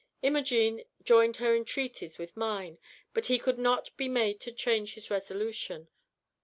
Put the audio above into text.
Imogene joined her entreaties with mine, but he could not be made to change his resolution.